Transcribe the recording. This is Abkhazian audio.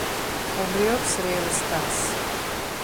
Убриоуп сара еилыскааз!